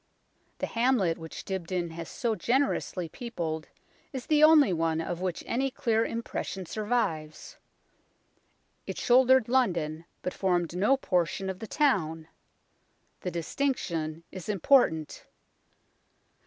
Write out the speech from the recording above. The hamlet which Dibdin has so generously peopled is the only one of which any clear impression survives. It shouldered London, but formed no portion of the town. The distinction is important.